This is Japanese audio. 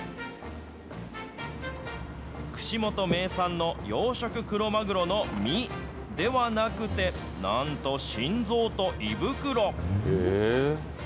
串本名産の養殖クロマグロの身ではなくて、なんと心臓と胃袋。